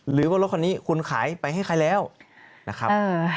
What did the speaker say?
หรือว่ารถคันนี้คุณขายไปให้ใครแล้วนะครับ